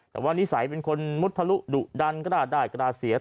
แต่ว่านิสัยเป็นคนมุทะลุดุดันกล้าได้กระดาเสีย